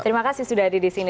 terima kasih sudah ada di sini